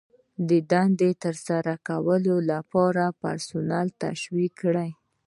د دندې د ترسره کولو لپاره پرسونل تشویق کړئ.